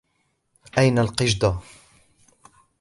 أين القِشدة ؟